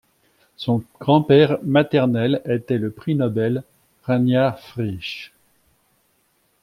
Son grand-père maternel était le prix Nobel Ragnar Frisch.